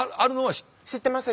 知ってます。